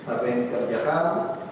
apa yang dikerjakan